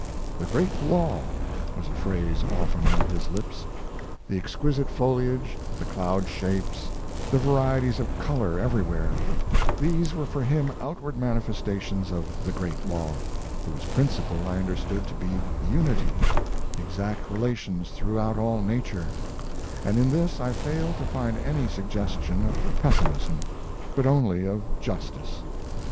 "The Great Law" was a phrase often on his lips. The exquisite foliage, the cloud shapes, the varieties of color everywhere: these were for him outward manifestations of the Great Law, whose principle I understood to be unity exact relations throughout all nature; and in this I failed to find any suggestion of pessimism, but only of justice.